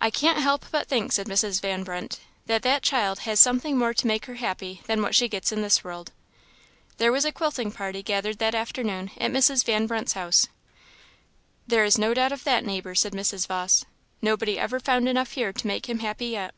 "I can't help but think," said Mrs. Van Brunt, "that that child has something more to make her happy that what she gets in this world." There was a quilting party gathered that afternoon at Mrs. Van Brunt's house. "There is no doubt of that, neighbour," said Mrs. Vawse; "nobody ever found enough here to make him happy yet."